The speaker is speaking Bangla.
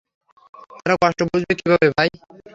তারা কষ্ট বুঝবে কীভাবে ভাই?